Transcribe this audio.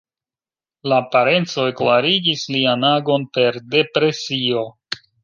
La parencoj klarigis lian agon per depresio.